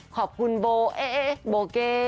ขอบคุณโบเอ๊โบเก้